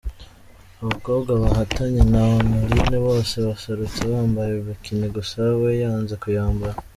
Abakobwa bahatanye na Honoline bose baserutse bambaye Bikini gusa we yanze kuyambara.